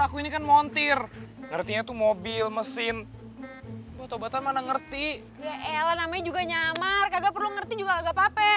aku ini kan montir artinya tuh mobil mesin bata bata mana ngerti ya ella namanya juga nyamar kagak perlu ngerti juga kagak apa apa